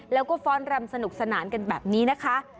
แล้วก็ฟ้อนรำสนุกสนานกันแบบนี้นะคะ